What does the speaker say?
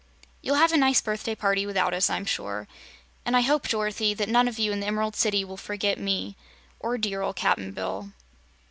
You'll have a nice birthday party, without us, I'm sure; and I hope, Dorothy, that none of you in the Emerald City will forget me or dear ol' Cap'n Bill."